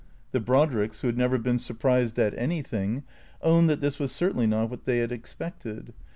The Brodricks, who had never been surprised at anything, owned that this was certainly not what they had expected.